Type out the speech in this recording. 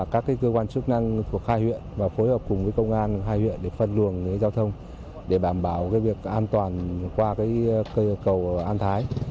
các cơ quan chức năng thuộc hai huyện và phối hợp cùng với công an hai huyện để phân luồng giao thông để đảm bảo việc an toàn qua cây cầu an thái